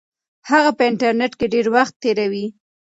هغه په انټرنیټ کې ډېر وخت تیروي.